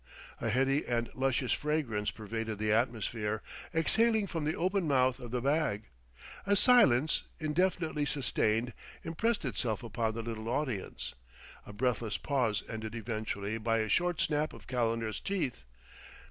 A heady and luscious fragrance pervaded the atmosphere, exhaling from the open mouth of the bag. A silence, indefinitely sustained, impressed itself upon the little audience, a breathless pause ended eventually by a sharp snap of Calendar's teeth.